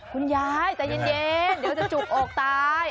คุณยายใจเย็นเดี๋ยวจะจุกอกตาย